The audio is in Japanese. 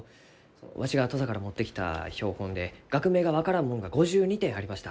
わしが土佐から持ってきた標本で学名が分からんもんが５２点ありました。